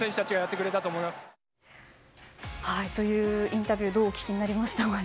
インタビューをどうお聞きになりましたか？